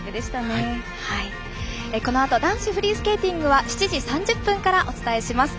このあと男子フリースケーティングは７時３０分からお伝えします。